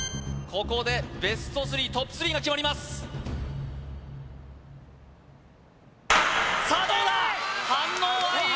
ここでベスト３トップ３が決まりますさあどうだ反応はいい